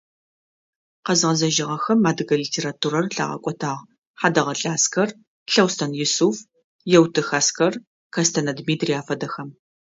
Къэзгъэзэжьыгъэхэм адыгэ литературэр лъагъэкӏотагъ: Хьадэгъэлӏэ Аскэр, Лъэустэн Юсыф, Еутых Аскэр, Кэстэнэ Дмитрий афэдэхэм.